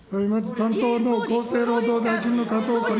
担当の厚生労働大臣の。